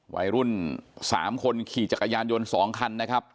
วัยรุ่น๓คนขี่จักรยานยนต์๒คันนะครับ